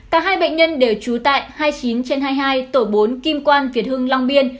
cả hai bệnh nhân đều trú tại hai mươi chín trên hai mươi hai tổ bốn kim quan việt hưng long biên